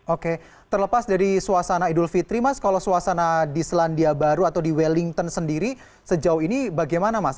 oke terlepas dari suasana idul fitri mas kalau suasana di selandia baru atau di wellington sendiri sejauh ini bagaimana mas